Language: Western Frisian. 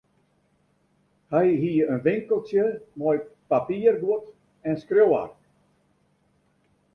Hy hie in winkeltsje mei papierguod en skriuwark.